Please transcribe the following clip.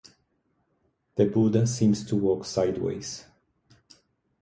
The Buddha seems to walk sideways.